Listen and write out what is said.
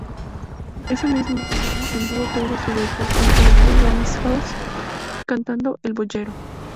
Ese mismo año el dúo tuvo su debut en Radio Westinghouse, cantando "El Boyero".